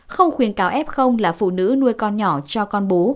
không khuyến cáo ép không là phụ nữ nuôi con nhỏ cho con bú